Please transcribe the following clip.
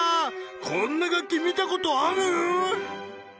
こんな楽器見たことある？